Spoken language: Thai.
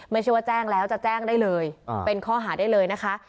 ไม่ใช่ว่าแจ้งแล้วจะแจ้งได้เลยเป็นข้อหาได้เลยนะคะ